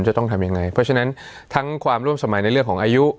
จะต้องทำยังไงเพราะฉะนั้นทั้งความร่วมสมัยในเรื่องของอายุ